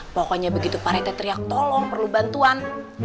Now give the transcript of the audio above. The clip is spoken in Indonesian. pokoknya begitu pak rete teriak tolong perlu bantuan